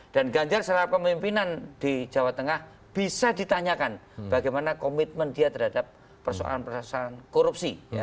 dan ganjar secara pemimpinan di jawa tengah bisa ditanyakan bagaimana komitmen dia terhadap persoalan persoalan korupsi